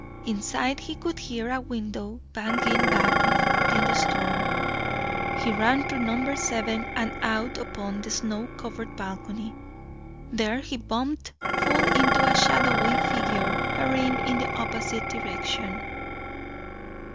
Inside he could hear a window banging back and forth in the storm. He ran through number seven and out upon the snow covered balcony. There he bumped full into a shadowy figure hurrying in the opposite direction.